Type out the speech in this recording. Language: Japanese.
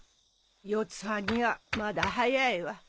四葉にはまだ早いわ。